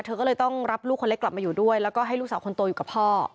เธอก็เลยต้องรับลูกคนเล็กกลับมาอยู่ด้วยแล้วก็ให้ลูกสาวคนโตอยู่กับพ่อ